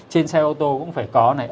trên xe ô tô cũng phải có này